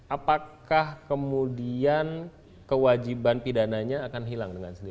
apakah kemudian kewajiban pidananya akan hilang dengan sendiri